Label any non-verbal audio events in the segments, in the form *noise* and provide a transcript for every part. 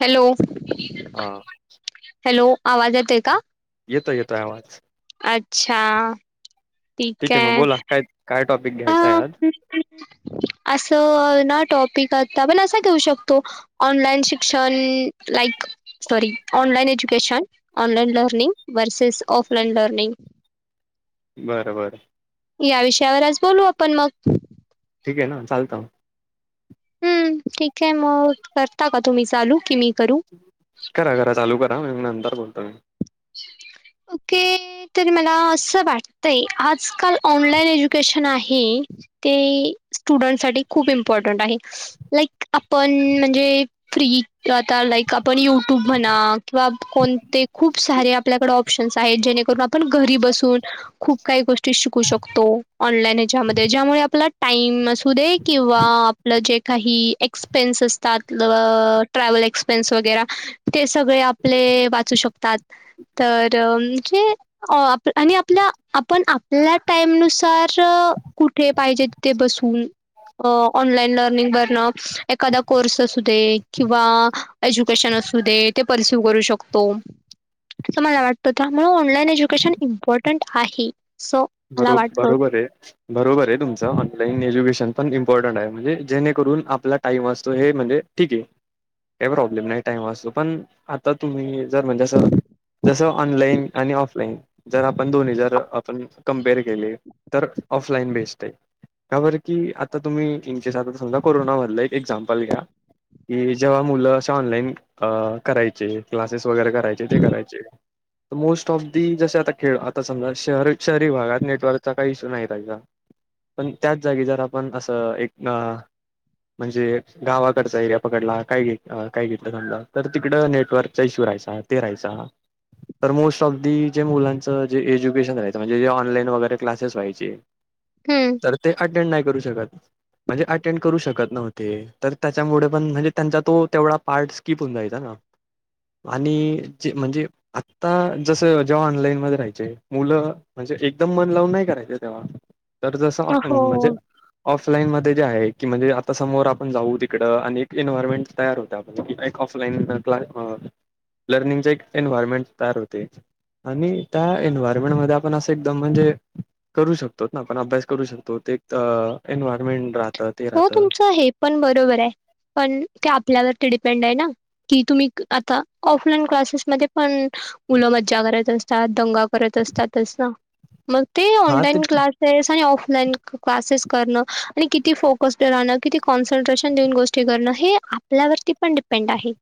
Hello हा hello! आवाज येतोय का? येतोय येतोय आवाज. अच्छा! ठीक आहे, मग बोला काय -काय टॉपिक अ घ्यायचं आहे आज? असं ना, टॉपिक आता पण असा घेऊ शकतो. ऑनलाइन शिक्षण like sorry online education, online learning versus offline learning. बरं बरं. या विषयावर आज बोलू आपण मग. ठीक आहे ना, चालतं. हम्म, ठीक आहे मग करता का तुम्ही चालू कि मी करू? करा करा चालू करा, मी नंतर बोलतो मी. ओके! काय तरी मला असं वाटतय, आजकाल ऑनलाइन एज्युकेशन आहे. ते स्टुडंट साठी खूप इम्पॉर्टंट आहे. लाईक आपण म्हणजे फ्री आता लाईक आपण युट्यूब म्हणा किंवा पण ते खूप खूप सारे आपल्याकडे ऑप्शन्स आहेत, जेणेकरून आपण घरी बसून खूप काही गोष्टी शिकू शकतो, ऑनलाईन हेच्यामध्ये ज्यामुळे आपला टाईम असू दे किंवा आपलं जे काही एक्सपेन्स असतात, ट्रॅव्हल एक्सपेन्स वगैरा ते सगळे आप आपले वाचू शकतात. तर म्हणजे अ आप -आणि आपल्या आपण आपल्या टाईमनुसार कुठ पाहिजे तिथे बसून अ ऑनलाईन लर्निंग करणं एखादा कोर्स असू दे किंवा एज्युकेशन असू दे ते परिस्यू करू शकतो. असं मला वाटतं त्यामुळं ऑनलाइन एज्युकेशन इम्पॉर्टंट आहे. असं मला बरो- वाटतं. बरोबर आहे. बरोबर आहे, तुमचं ऑनलाईन एज्युकेशन पण इम्पॉर्टंट आहे म्हणजे जेणेकरून आपला टाईम असतो हे म्हणजे ठीक आहे, काही प्रॉब्लेम नाही टाइम वाचतो पण आता तुम्ही जर म्हणजे असं जस ऑनलाईन आणि ऑफलाईन जर, आपण दोन्ही जर आपण कमपेअर केले तर, ऑफलाईन बेस्ट आहे. का बरं, की आता तुम्ही *unintelligible* आता समजा कोरोना मधलं एक एक्झाम्पल घ्या. कि जेव्हा मुलं असं ऑनलाईन अ करायचे क्लासेस वगैरे करायचे ते करायचे मोस्ट ऑफ दी जसे आता खेळ आता समजा शहर शहरी भागात नेटवर्कचा काही इश्यू नाही त्याचा पण त्याच जागी जर आपण असं एक अ म्हणजे गावाकडचा एरिया पकडला काय घ काय घेतलं समजा तर तिकडं नेटवर्क इशू राहायचा ते राहायचा तर मोस्ट ऑफ द जे मुलांच जे एज्युकेशन राहायचं म्हणजे जे ऑनलाईन वगैरे क्लासेस व्हायचे हं. तर ते अटेंड नाही करू शकत म्हणजे अटेंड करू शकत नव्हते तर त्याच्यामुळे पण म्हणजे त्यांचा तो तेवढा पार्ट स्कीिप होन जायचा ना हा आणि जे म्हणजे आता जसं जेव्हा ऑनलाईन मध्ये राहायचे मुलं म्हणजे एकदम मन लावून नाही करायचे तेव्हा तर जसं म्हणजे हो. ऑफलाईनमध्येध्ये जे आहे की म्हणजे आता समोर आपण जाऊ तिकडं आणि एक एन्वयरमेंट तयार होत एक ऑफलाईन क्ला लर्निंग एक एन्वयरमेंट तयार होते आणि त्या एन्वयरमेंटमध्ये आपण असं एकदम म्हणजे करू शकतो ना आपण अभ्यास करू शकतो एक एन्वयरमेंट राहत हो तुमचं हे पण बरोबर आहे पण ते आपल्यावर ते डिपेंड आहे ना की तुम्ही आता ऑफलाईन क्लासेसमध्ये पण मज्जा करत असतात दंग करत असतात मग ते हा ते ऑनलाईन क्लास क् कि कस्णं किती कॉन्सन्ट्रेशन देऊन गोष्टी करणं हे आपल्यावरती पण डिपेंड आहे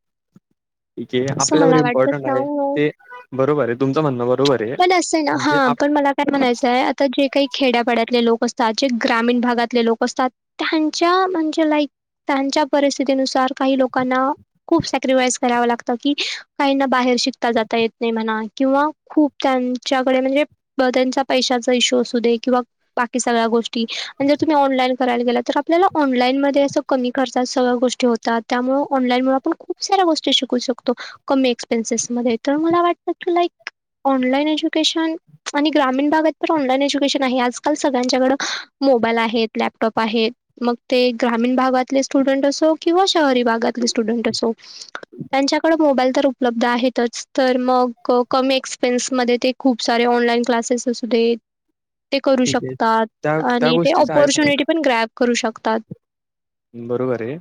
ठीक आहे असं आपल्यावर मला वाटतं इम्पॉर्टंट आहे त्यामुळे ते बरोबर आहे तुमचं म्हणणं बरोबर आहे पण म्हणजे हां पण मला काय म्हणायचंय आता जे काही खेड्यापाड्यातले लोक असतात जे ग्रामीण भागातले लोक असतात त्यांच्या म्हणजे लाईक त्यांच्या परिस्थितीनुसार काही लोकांना खूप सॅक्रिफाईस करावं लागतं की काहीना बाहेर शिकता जाता येत नाही म्हणा किंवा खूप त्यांच्याकडे म्हणजे त्यांचा पैशाचा इशू असू दे किंवा बाकी सगळ्या गोष्टी र त ऑलाईन करायला गेलं तर आपल्याला ऑनलाईनमध्ये असं कमी खर्चात सगळ्या गोष्टी होतात त्यामुळे ऑनलाईनमुळे आपण खूप ख साऱ्या गोष्टी शिकू शकतो कमी एक्सपेन्सेस मध्ये तर मला वाटत की लाईक ऑनलाईन एज्युकेशन आणि ग्रामीण भागात पण ऑनलाईन एज्युकेशन आहे आजकाल सगळ्यांच्याकडं मोबाईल आहेत लॅप लॅपटॉप आहे मग ते ग्रामीण भागातले स्टुडंट असो किंवा शहरी भागातले स्टुडंट असो त्यांच्याकडे मोबाईल तर उपलब्ध आहेतच तर मग कमी एक्सपेन्स मध्ये ते खूप सारे ऑनलाईन क्लासेस असू दे ते करू ठीक आहे शकतात त्या त्या आणि ते गोष्टीचा आहे फायदा पॉर्च्युनिटी पण ग्रॅप करू शकतात बरोबर आहे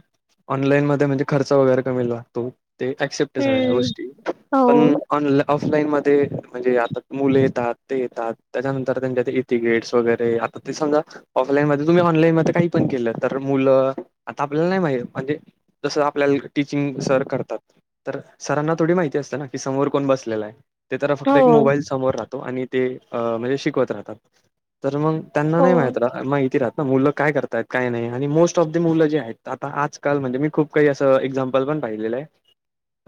ऑनलाईन मध्ये म्हणजे खर्च वगैरे कमी लागतो ते ऍक्सेप सगळ्या हम्म गोष्टी हो पण ऑन ऑफलाईन मध्ये म्हणजे आता मुलं येतात ते येतात त्याच्यानंतर त्यांच्या तिकीट्स वगैरे आता ते समजा ऑफलाईन म तुम्ही ऑनलाईन मध्ये काही पण केलं तर मुलं आता आपल्याला नाही माहि म्हणजे जसं आपल्याला टीचिंग सर करतात तर सरांना थोडी माहिती असतें ना की समोर कोण बसलेला आहे ते तर फक्त हो एक मोबाईल समोर राहतो आणि ते अ म्हणजे शिकवत राहतात तर मग त्यांना हो नाही माह रा मग इथती राहत ना मुलं काय करतायत काय नाही आणि मोस्ट आ म्हण मी खण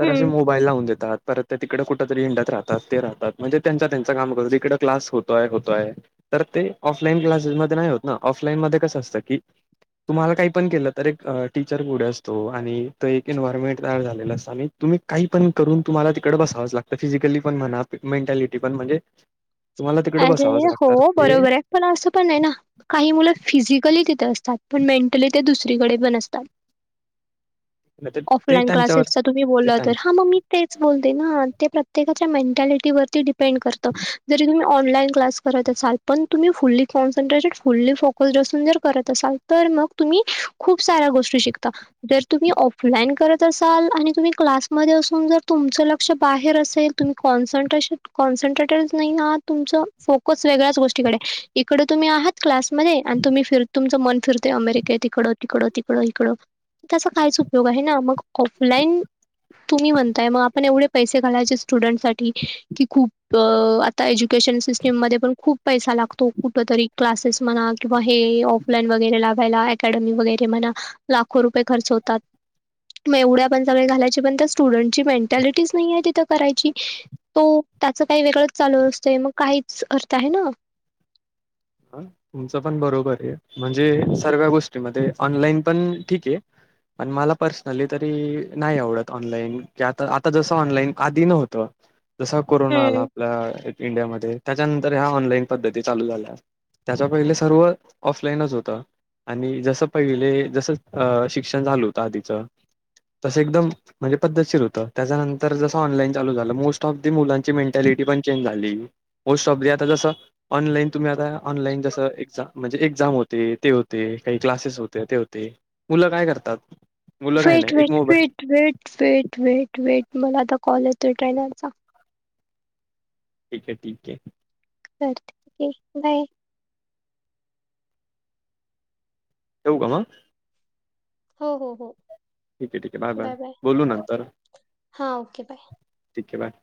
हम्म बाईल लावून देतात परत ते तिकडे कुठ तरी इंडत राहात ते राहतात म्हणजे त्यांच काम करतो तिकडे क्स होत होतोय तर ते ऑफलाईन क्लासेस मध्ये नाही होत ना ऑफलाईन मध्ये कसं असतं की तुम्हाला काही पण केलं तर एक टीचर पुढे असतो आणि तो एक एन्वयरमेंट तयार झालेलं असतं आणि तुम्ही काही पण करून तुम्हाला तिकड बसावंच लागतं फिजिकली पण म्हणा मेंटॅलिटी पण म्हणजे तुम्हाला तिकडे अरे बसावचं हो लागतात ते बरोबर आहे पण असं पण नाही ना काही मुलं फिजिकली तिथं असतात पण मेंटली ते दुसरीकडे पण असतात नाही तर ते ऑफलाइन त्यांच्यावर क्लासेसचा तुम्ही ते बोलला तर त्यांच हा मममी क्. त असाल प तम फुली कॉन््रेटे फुली फोक जर करत असाल तर मग तुम्ही? खूप साऱ्या गोष्टी शिकतात. जर तुम्ही ऑफलाईन करत असाल आणि तुम्ही क्लासमध्ये असून जर तुमचं लक्ष बाहेर असेल. तुम्ही कॉन्न्ट्रेश कॉन्न्ट्रेटर नाही आहात. तुमच फोकस वेगळ्याच गोष्टीकडे इकडे तुम्ही आहात क्लासमध्ये आणि तुम्ही फिर. तुमचं मन फिरतेय अमेरिकेत तिकडं तिकडं तिकडं इकडं. त्याचा काहीच उपयोग आहे ना मग ऑफलाईन तुम्ही म्हणताय मग आपण एवढे पैसे घायचे स्टुडंटसाठीठी की खूप आता ए्युकेशन सिस्टीममध्ये पण खूप पैसा लागतो कुठ तरी क्लासेस म्हणा किंवा हे ऑफ लाईन वगैरे लावाायला अकॅडमी वगैरे म्हणा लाखो रुपये खर्च होतात. मग एवढ्या पण सग घालायच्या पण त्या स्टुडंटची मेंटॅलिटीज नाही आहे तिथं करायची. तो त्याच काही वेगळंच चालू असतोय मग काहीच अर्थ आहे ना. ह तुमचं पण बरोबर आहे म्हणजे सर्व्या गोष्टीमध्ये ऑनलाईन पण ठीक आहे. पण मला पर्सनली तरी नाही आवडत ऑनलाईन की आता आता जसं ऑनलाईन आधी न होतं. जस कोरोना आला हम्म आपल्या इंडियामध्ये त्याच्यानंतर ह्या ऑनलाईन पद्धती चालू झाल्या. त्याच्या पहिले सर्व ऑफलाईनच होतं. आणि जस पहिले जस अ शिक्षण झाल होतं आधीचं. तसं एकदम म्हणजे पद्धतशीर होतं त्याच्यानंतर जसं ऑनलाईन चालू झालं मोस्ट ऑफ द मुलां मेंटॅलिटी पण चेंज झाली मोस्ट ऑफ आता जस ऑनलाईन तुम्ही आता ऑनलाइन जसं एक्झाम म्हणजे एक्झाम होते ते होते काही क्लासेस होते ते होते मुलं काय करतात. मुलं काही वेट नाही एक वेट मोबाईल फेट वेट वेट वेट वेट मला आता कॉल येतोय ट्रेनरचा ठीक आहे ठीक आहे. चल ठीक आहे बाय. ठेवू का मग हो हो हो. ठीक आहे ठीक आहे बाय बाय बोलू नंतर हां ओके बाय. ठीक आहे बाय.